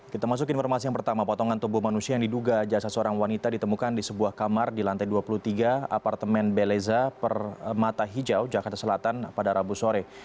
kita masuk informasi yang pertama potongan tubuh manusia yang diduga jasad seorang wanita ditemukan di sebuah kamar di lantai dua puluh tiga apartemen beleza permata hijau jakarta selatan pada rabu sore